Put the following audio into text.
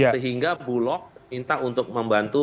sehingga bulog minta untuk membantu